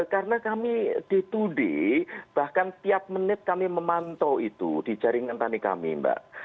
karena kami day to day bahkan tiap menit kami memantau itu di jaringan tani kami mbak